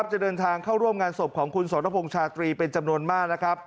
จะเดินทางเข้าร่วมงานศพของคุณสรพงษ์ชาตรีเป็นจำนวนมาก